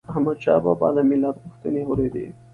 احمدشاه بابا به د ملت غوښتنې اوريدي